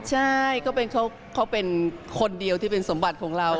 ใช่เขาเป็นคนเดียวที่เป็นสมบัติของเรา